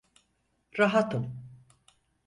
Rahatım.